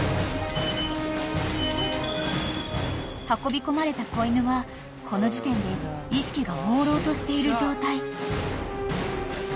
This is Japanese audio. ［運び込まれた子犬はこの時点で意識がもうろうとしている状態］